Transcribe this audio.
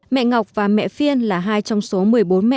mẹ ngọc và mẹ phiên là hai trong số một mươi bốn mẹ việt nam